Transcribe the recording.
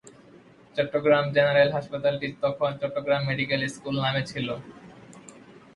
Chittagong general হাসপাতালটি তখন Chittagong medical school নামে ছিল।